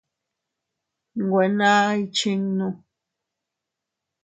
Nwe naa ikchinnu.